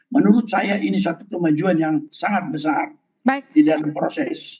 menurut saya ini satu kemajuan yang sangat besar di dalam proses